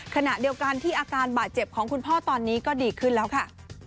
ขณะเดียวกันที่อาการบาดเจ็บของคุณพ่อตอนนี้ก็ดีขึ้นแล้วค่ะ